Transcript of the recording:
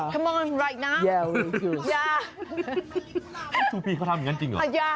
เข้ามาตอนนี้นะใช่ทูพีเขาทำอย่างนั้นจริงเหรอ